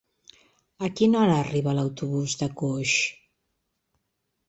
A quina hora arriba l'autobús de Coix?